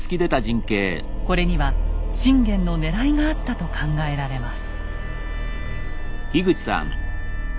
これには信玄のねらいがあったと考えられます。